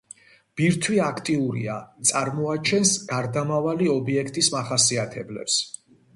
ბირთვი აქტიურია, წარმოაჩენს „გარდამავალი“ ობიექტის მახასიათებლებს.